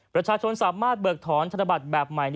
ประชาชนสามารถเบิกถอนธนบัตรแบบใหม่